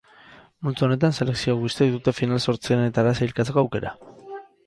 Multzo honetan selekzio guztiek dute final-zortzirenetara sailkatzeko aukera.